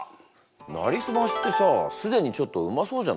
「なりすまし」ってさ既にちょっとうまそうじゃない？